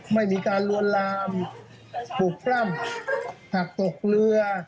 ไม่มีการลวนลามปลุกปล้ำหักตกเรือ